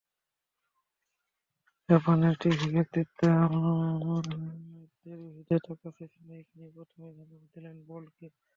জাপানের টিভি ব্যক্তিত্ব Teruhide Takahashi mic নিয়ে প্রথমেই ধন্যবাদ দিলেন বোল্টকে।